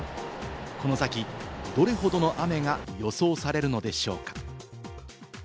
この先どれほどの雨が予想されるのでしょうか？